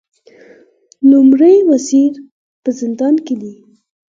لومړی وزیر په زندان کې دی